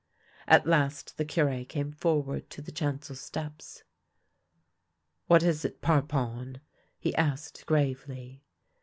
At last the Cure came forward to the chancel steps. " What is it, Parpon ?" he asked gravely.